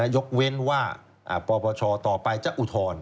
ยกเว้นว่าปปชต่อไปจะอุทธรณ์